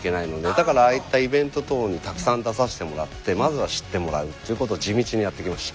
だからああいったイベント等にたくさん出させてもらってまずは知ってもらうっていうことを地道にやってきました。